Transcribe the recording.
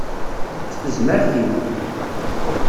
S tezmert-im.